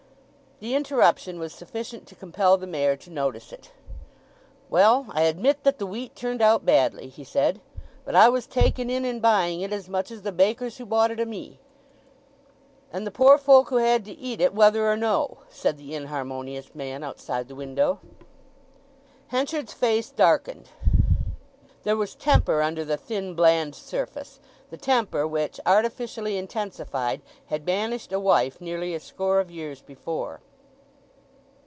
The interruption was sufficient to compel the Mayor to notice it. "Well, I admit that the wheat turned out badly," he said. "But I was taken in in buying it as much as the bakers who bought it o' me." "And the poor folk who had to eat it whether or no," said the inharmonious man outside the window. Henchard's face darkened. There was temper under the thin bland surface—the temper which, artificially intensified, had banished a wife nearly a score of years before.